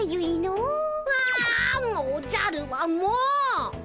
あもうおじゃるはもう！